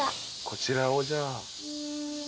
こちらをじゃあ。